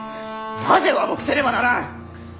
なぜ和睦せねばならん！